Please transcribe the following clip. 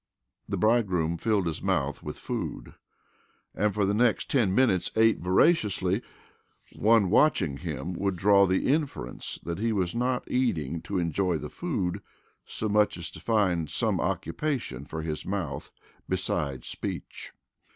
The bridegroom filled his mouth with food and for the next ten minutes ate voraciously. One watching him would draw the inference that he was not eating to enjoy the food so much as to find some occupation for his mouth beside speech.